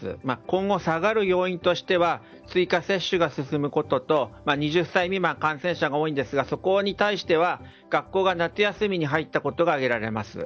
今後、下がる要因としては追加接種が進むことと２０歳未満の感染者が多いんですがそこに対しては学校が夏休みに入ったことが挙げられます。